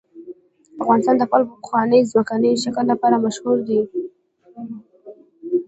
افغانستان د خپل پخواني ځمکني شکل لپاره مشهور دی.